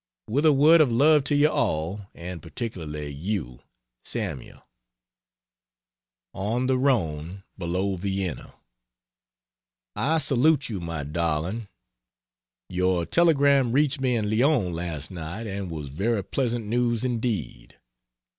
With a word of love to you all and particularly you, SAML. ON THE RHONE, BELOW VIENNA. I salute you, my darling. Your telegram reached me in Lyons last night and was very pleasant news indeed.